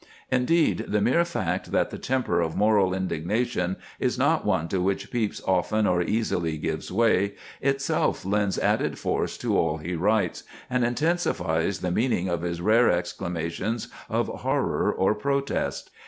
Indeed, the mere fact that the temper of moral indignation is not one to which Pepys often or easily gives way, itself lends added force to all he writes, and intensifies the meaning of his rare exclamations of horror or protest.